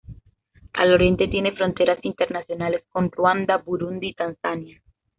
Al oriente tiene fronteras internacionales con Ruanda, Burundi y Tanzania.